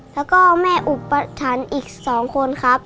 แล้วก็แม่อุปถันอีก๒คนครับ